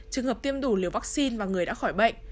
trường hợp tiêm đủ liều vaccine và người đã khỏi bệnh